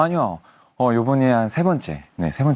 อันยว่ายุบันเนี่ยแสดงเวลา๓บาท